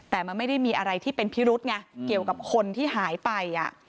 แต่มันไม่ได้มีอะไรที่เป็นพิรุษไงเกี่ยวกับคนที่หายไป